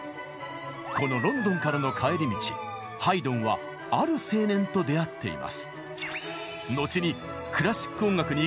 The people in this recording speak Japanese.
このロンドンからの帰り道ハイドンはある青年と出会っています。